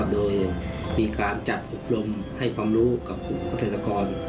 โดยมีการจัดอบรมให้ความรู้กับกลุ่มเกษตรกร